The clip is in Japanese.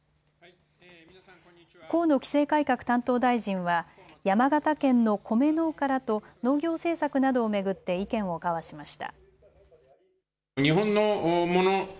河野規制改革担当大臣は山形県の米農家らと農業政策などを巡って意見を交わしました。